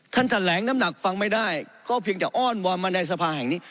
ท่านแถลงน้ำหนักฟังไม่ได้ก็เพียงแต่อ้อนวอนมาในสภาแห่งนี้